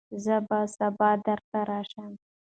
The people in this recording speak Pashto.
زه به سبا درته راشم.